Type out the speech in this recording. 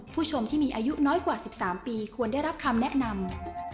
ผู้ชมที่มีอายุน้อยกว่า๑๓ปีควรได้รับคำแนะนำ